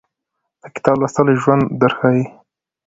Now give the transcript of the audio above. د کتاب لوستل ژوند درښایي